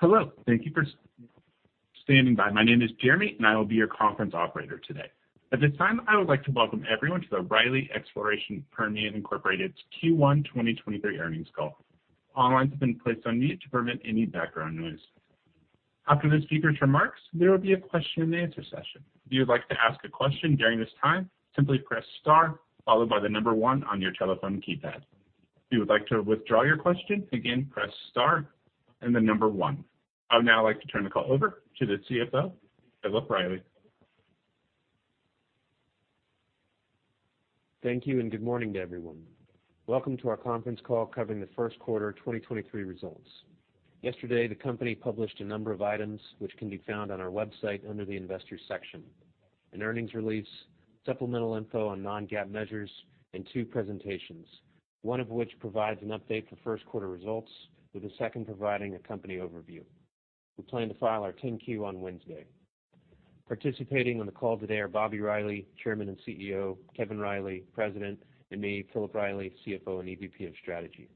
Hello. Thank you for standing by. My name is Jeremy, and I will be your conference operator today. At this time, I would like to welcome everyone to the Riley Exploration Permian, Inc.'s Q1 2023 earnings call. Online has been placed on mute to prevent any background noise. After the speaker's remarks, there will be a question and answer session. If you would like to ask a question during this time, simply press star followed by 1 on your telephone keypad. If you would like to withdraw your question, again, press star and 1. I would now like to turn the call over to the CFO, Philip Riley. Thank you, and good morning to everyone. Welcome to our conference call covering the first quarter 2023 results. Yesterday, the company published a number of items which can be found on our website under the Investors section. An earnings release, supplemental info on non-GAAP measures, and 2 presentations, 1 of which provides an update for first quarter results, with the second providing a company overview. We plan to file our 10-Q on Wednesday. Participating on the call today are Bobby Riley, Chairman and CEO, Kevin Riley, President, and me, Philip Riley, CFO and EVP of Strategy.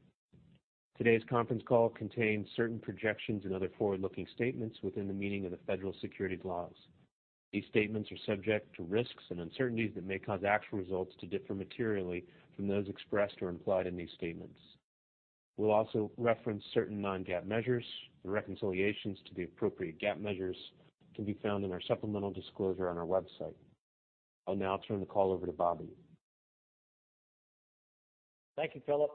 Today's conference call contains certain projections and other forward-looking statements within the meaning of the federal securities laws. These statements are subject to risks and uncertainties that may cause actual results to differ materially from those expressed or implied in these statements. We'll also reference certain non-GAAP measures. The reconciliations to the appropriate GAAP measures can be found in our supplemental disclosure on our website. I'll now turn the call over to Bobby. Thank you, Philip.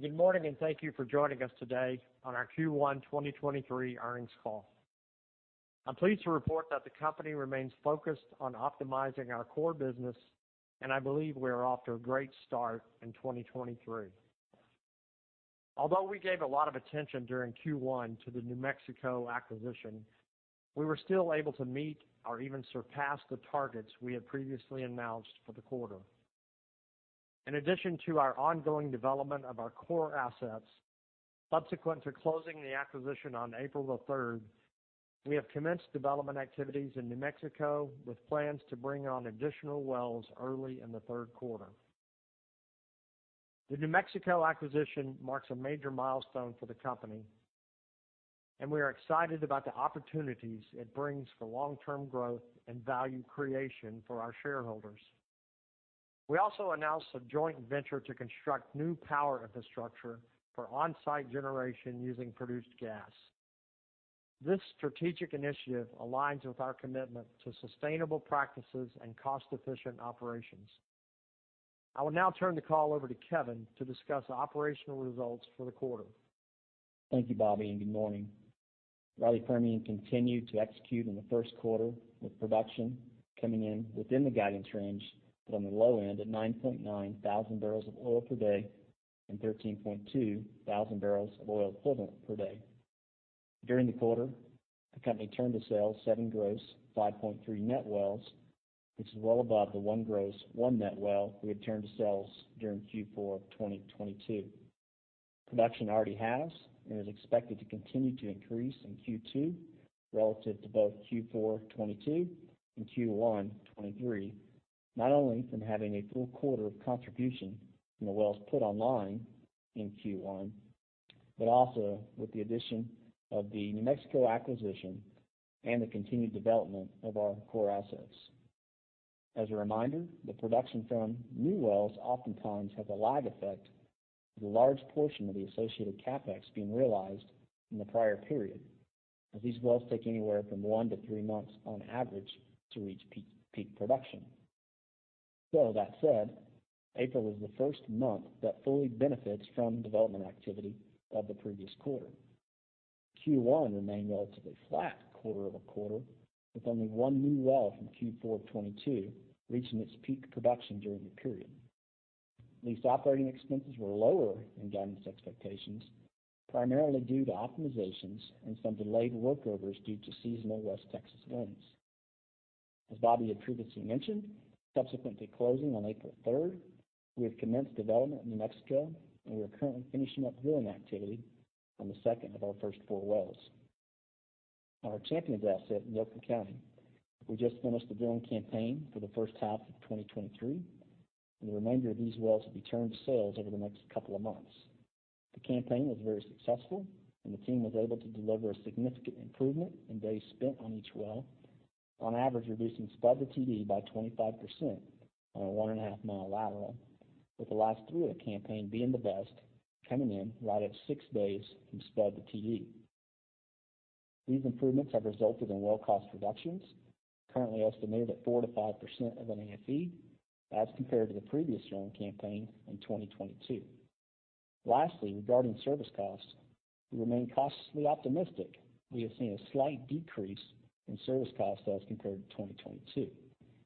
Good morning, and thank you for joining us today on our Q1 2023 earnings call. I'm pleased to report that the company remains focused on optimizing our core business, and I believe we are off to a great start in 2023. Although we gave a lot of attention during Q1 to the New Mexico acquisition, we were still able to meet or even surpass the targets we had previously announced for the quarter. In addition to our ongoing development of our core assets, subsequent to closing the acquisition on April the third, we have commenced development activities in New Mexico with plans to bring on additional wells early in the third quarter. The New Mexico acquisition marks a major milestone for the company, and we are excited about the opportunities it brings for long-term growth and value creation for our shareholders. We also announced a joint venture to construct new power infrastructure for on-site generation using produced gas. This strategic initiative aligns with our commitment to sustainable practices and cost-efficient operations. I will now turn the call over to Kevin to discuss operational results for the quarter. Thank you, Bobby. Good morning. Riley Permian continued to execute in the first quarter with production coming in within the guidance range, but on the low end at 9,900 barrels of oil per day and 13,200 barrels of oil equivalent per day. During the quarter, the company turned to sale 7 gross, 5.3 net wells, which is well above the 1 gross 1 net well we had turned to sales during Q4 of 2022. Production already has and is expected to continue to increase in Q2 relative to both Q4 2022 and Q1 2023, not only from having a full quarter of contribution from the wells put online in Q1, but also with the addition of the New Mexico acquisition and the continued development of our core assets. As a reminder, the production from new wells oftentimes have a lag effect, with a large portion of the associated CapEx being realized in the prior period, as these wells take anywhere from 1 to 3 months on average to reach peak production. That said, April is the first month that fully benefits from development activity of the previous quarter. Q1 remained relatively flat quarter-over-quarter, with only one new well from Q4 of 2022 reaching its peak production during the period. Lease operating expenses were lower than guidance expectations, primarily due to optimizations and some delayed workovers due to seasonal West Texas winds. As Bobby had previously mentioned, subsequently closing on April third, we have commenced development in New Mexico, and we are currently finishing up drilling activity on the second of our first four wells. On our Champions asset in Yoakum County, we just finished the drilling campaign for the first half of 2023, and the remainder of these wells will be turned to sales over the next couple of months. The campaign was very successful, and the team was able to deliver a significant improvement in days spent on each well, on average, reducing spud to TD by 25% on a one and a half mile lateral, with the last 3 well campaign being the best, coming in right at 6 days from spud to TD. These improvements have resulted in well cost reductions, currently estimated at 4%-5% of an AFE as compared to the previous drilling campaign in 2022. Lastly, regarding service costs, we remain cautiously optimistic. We have seen a slight decrease in service costs as compared to 2022,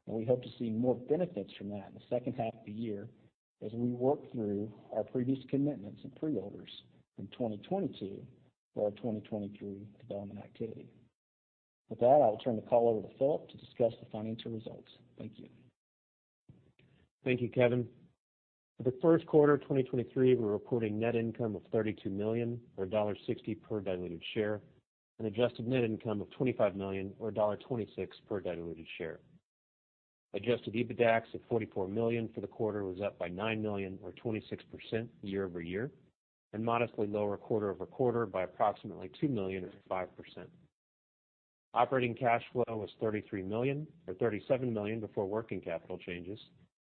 and we hope to see more benefits from that in the second half of the year as we work through our previous commitments and preorders in 2022 for our 2023 development activity. With that, I will turn the call over to Philip to discuss the financial results. Thank you. Thank you, Kevin. For the first quarter 2023, we're reporting net income of $32 million, or $1.60 per diluted share, an adjusted net income of $25 million or $1.26 per diluted share. Adjusted EBITDAX of $44 million for the quarter was up by $9 million or 26% year-over-year, and modestly lower quarter-over-quarter by approximately $2 million or 5%. Operating cash flow was $33 million or $37 million before working capital changes.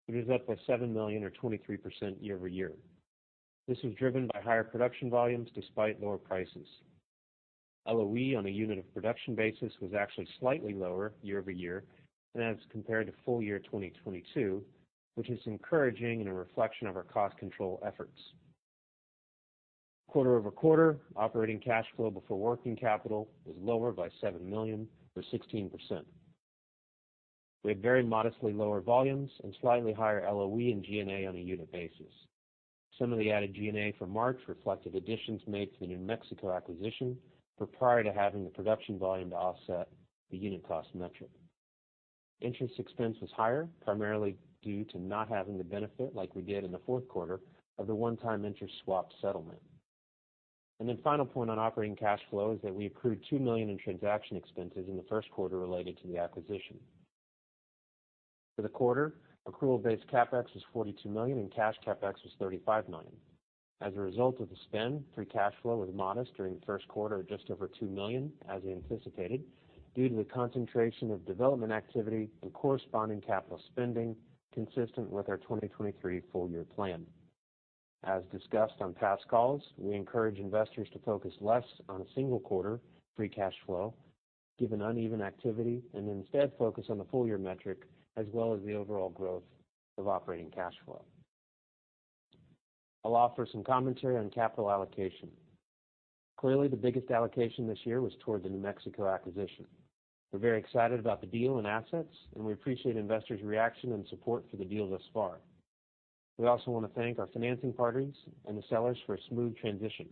It was up by $7 million or 23% year-over-year. This was driven by higher production volumes despite lower prices. LOE on a unit of production basis was actually slightly lower year-over-year and as compared to full year 2022, which is encouraging and a reflection of our cost control efforts. Quarter-over-quarter, operating cash flow before working capital was lower by $7 million or 16%. We had very modestly lower volumes and slightly higher LOE and G&A on a unit basis. Some of the added G&A for March reflected additions made to the New Mexico acquisition but prior to having the production volume to offset the unit cost metric. Interest expense was higher, primarily due to not having the benefit like we did in the fourth quarter of the one-time interest swap settlement. Final point on operating cash flow is that we accrued $2 million in transaction expenses in the first quarter related to the acquisition. For the quarter, accrual base CapEx was $42 million, and cash CapEx was $35 million. As a result of the spend, free cash flow was modest during the first quarter of just over $2 million as we anticipated, due to the concentration of development activity and corresponding capital spending consistent with our 2023 full year plan. As discussed on past calls, we encourage investors to focus less on a single quarter free cash flow, given uneven activity, and instead focus on the full year metric as well as the overall growth of operating cash flow. I'll offer some commentary on capital allocation. Clearly, the biggest allocation this year was toward the New Mexico acquisition. We're very excited about the deal and assets, and we appreciate investors' reaction and support for the deal thus far. We also want to thank our financing partners and the sellers for a smooth transition.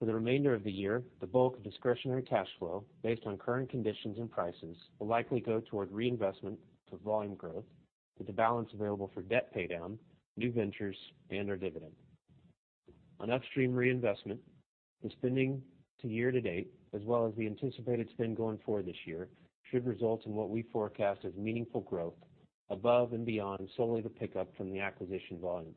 For the remainder of the year, the bulk of discretionary cash flow based on current conditions and prices, will likely go toward reinvestment for volume growth, with the balance available for debt paydown, new ventures, and our dividend. On upstream reinvestment, the spending to year to date, as well as the anticipated spend going forward this year, should result in what we forecast as meaningful growth above and beyond solely the pickup from the acquisition volumes.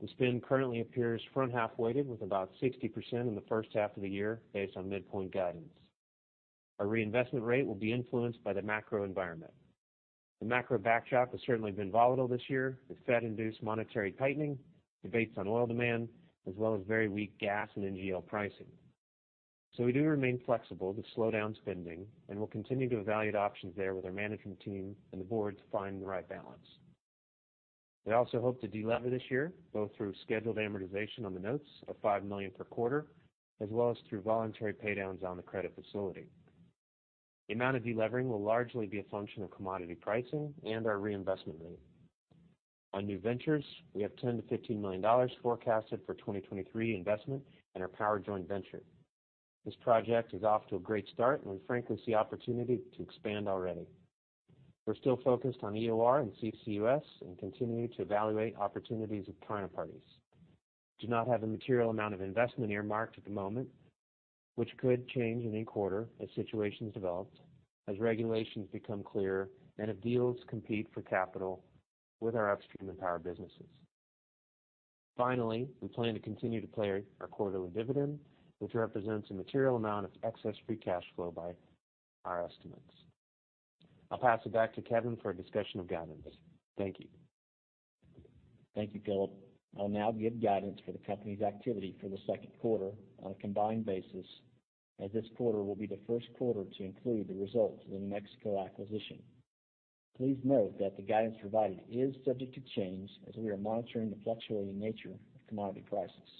The spend currently appears front half weighted with about 60% in the first half of the year based on midpoint guidance. Our reinvestment rate will be influenced by the macro environment. The macro backdrop has certainly been volatile this year with Fed-induced monetary tightening, debates on oil demand, as well as very weak gas and NGL pricing. We do remain flexible to slow down spending, and we'll continue to evaluate options there with our management team and the board to find the right balance. We also hope to delever this year, both through scheduled amortization on the notes of $5 million per quarter, as well as through voluntary paydowns on the credit facility. The amount of delevering will largely be a function of commodity pricing and our reinvestment rate. On new ventures, we have $10 million-$15 million forecasted for 2023 investment in our power joint venture. This project is off to a great start. We frankly see opportunity to expand already. We're still focused on EOR and CCUS and continue to evaluate opportunities with counter parties. Do not have a material amount of investment earmarked at the moment, which could change in any quarter as situations develop, as regulations become clearer, and if deals compete for capital with our upstream and power businesses. Finally, we plan to continue to pay our quarterly dividend, which represents a material amount of excess free cash flow by our estimates. I'll pass it back to Kevin for a discussion of guidance. Thank you. Thank you, Philip. I'll now give guidance for the company's activity for the second quarter on a combined basis, as this quarter will be the first quarter to include the results of the New Mexico acquisition. Please note that the guidance provided is subject to change as we are monitoring the fluctuating nature of commodity prices.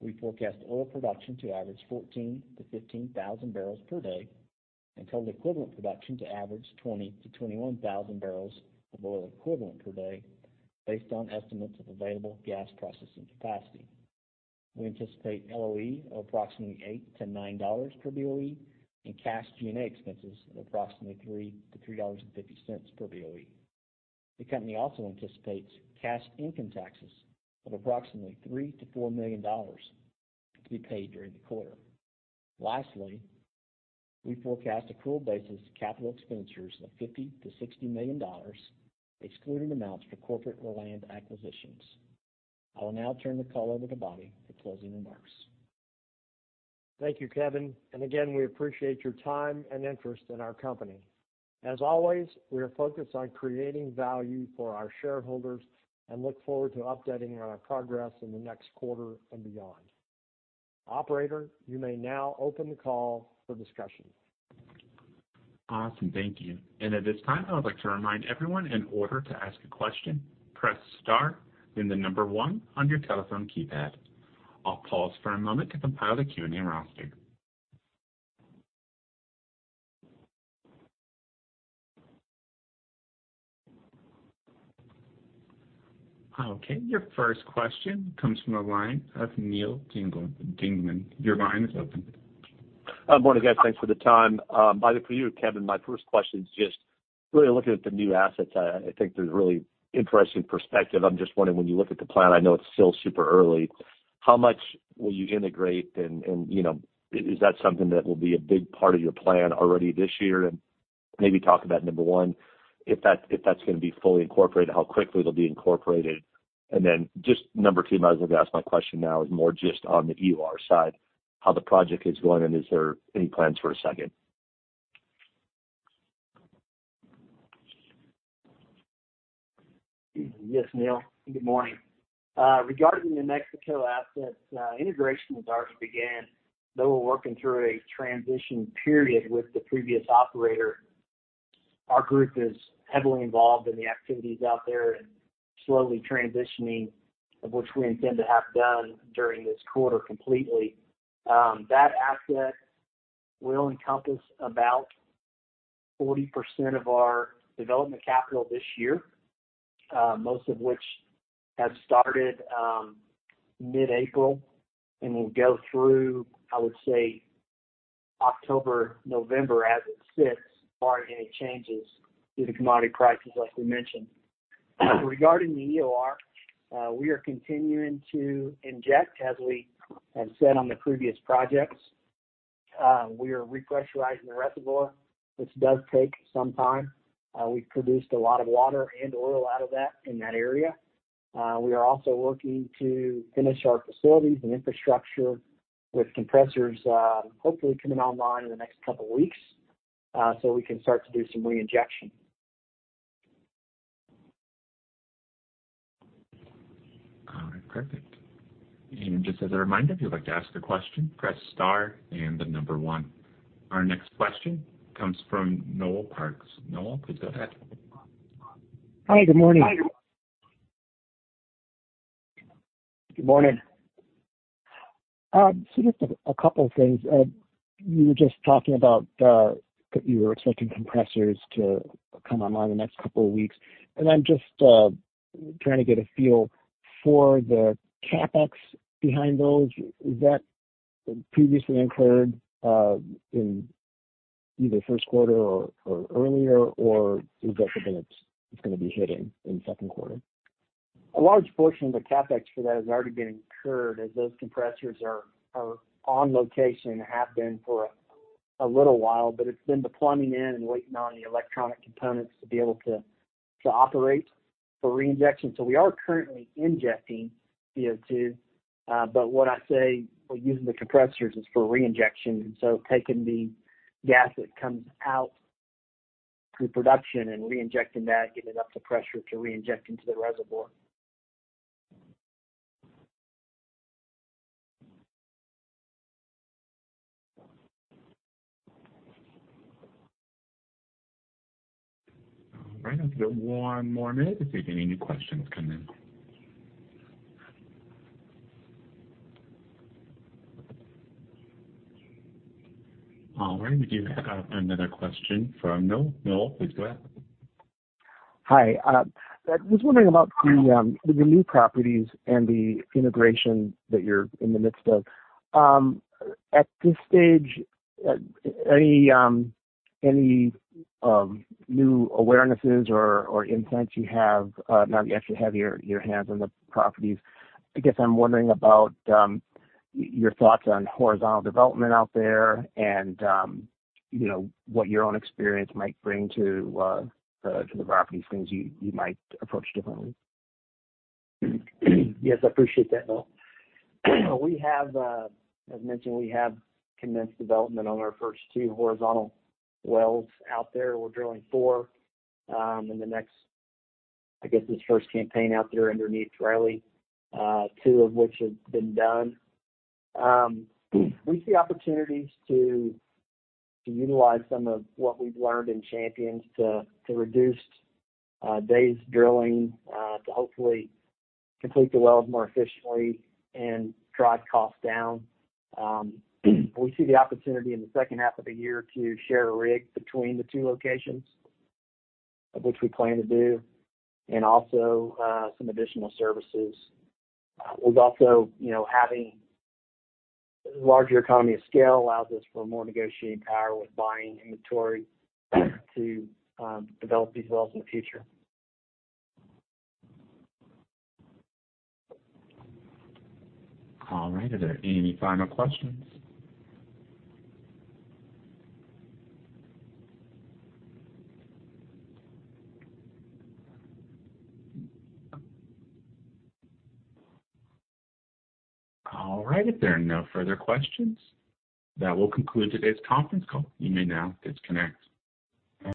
We forecast oil production to average 14,000-15,000 barrels per day and total equivalent production to average 20,000-21,000 barrels of oil equivalent per day, based on estimates of available gas processing capacity. We anticipate LOE of approximately $8-$9 per BOE and cash G&A expenses of approximately $3-$3.50 per BOE. The company also anticipates cash income taxes of approximately $3 million-$4 million to be paid during the quarter. Lastly, we forecast accrual basis capital expenditures of $50 million-$60 million, excluding amounts for corporate or land acquisitions. I will now turn the call over to Bobby for closing remarks. Thank you, Kevin. Again, we appreciate your time and interest in our company. As always, we are focused on creating value for our shareholders and look forward to updating on our progress in the next quarter and beyond. Operator, you may now open the call for discussion. Awesome. Thank you. At this time, I would like to remind everyone in order to ask a question, press star, then the number one on your telephone keypad. I'll pause for a moment to compile the Q&A roster. Okay. Your first question comes from the line of Neil Dingmann. Your line is open. Morning, guys. Thanks for the time. Bobby, for you, Kevin, my first question is just really looking at the new assets, I think there's really interesting perspective. I'm just wondering, when you look at the plan, I know it's still super early, how much will you integrate and you know, is that something that will be a big part of your plan already this year? Maybe talk about number one, if that's gonna be fully incorporated, how quickly it'll be incorporated. Then just number two, might as well ask my question now, is more just on the EOR side, how the project is going, and is there any plans for a second? Yes, Neil. Good morning. Regarding the Mexico assets, integration has already began. Though we're working through a transition period with the previous operator, our group is heavily involved in the activities out there and slowly transitioning, of which we intend to have done during this quarter completely. That asset will encompass about 40% of our development capital this year, most of which have started mid-April and will go through, I would say, October, November as it sits, barring any changes due to commodity prices as we mentioned. Regarding the EOR, we are continuing to inject as we have said on the previous projects. We are repressurizing the reservoir, which does take some time. We've produced a lot of water and oil out of that in that area. We are also working to finish our facilities and infrastructure with compressors, hopefully coming online in the next couple weeks, so we can start to do some reinjection. All right. Perfect. Just as a reminder, if you'd like to ask a question, press star and the number one. Our next question comes from Noel Parks. Noel, please go ahead. Hi, good morning. Good morning. Just a couple things. You were just talking about that you were expecting compressors to come online in the next couple of weeks, and I'm just trying to get a feel for the CapEx behind those. Is that previously incurred in either first quarter or earlier, or is that something that's gonna be hitting in second quarter? A large portion of the CapEx for that has already been incurred, as those compressors are on location and have been for a little while. It's been the plumbing in and waiting on the electronic components to be able to operate for reinjection. We are currently injecting CO2, but what I say we're using the compressors is for reinjection. Taking the gas that comes out through production and reinjecting that, getting it up to pressure to reinject into the reservoir. All right, I'll give it one more minute to see if any new questions come in. All right, we do have another question from Noel. Noel, please go ahead. Hi. I was wondering about the new properties and the integration that you're in the midst of. At this stage, any new awarenesses or insights you have now that you actually have your hands on the properties? I guess I'm wondering about your thoughts on horizontal development out there and, you know, what your own experience might bring to the properties, things you might approach differently. Yes, I appreciate that, Noel. We have, as mentioned, we have commenced development on our first 2 horizontal wells out there. We're drilling 4, in the next, I guess, this first campaign out there underneath Riley, 2 of which have been done. We see opportunities to utilize some of what we've learned in Champions to reduce days drilling, to hopefully complete the wells more efficiently and drive costs down. We see the opportunity in the second half of the year to share a rig between the 2 locations, of which we plan to do, and also, some additional services. With also, you know, having larger economy of scale allows us for more negotiating power with buying inventory to develop these wells in the future. All right. Are there any final questions? All right. If there are no further questions, that will conclude today's conference call. You may now disconnect.